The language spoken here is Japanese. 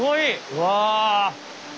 うわ！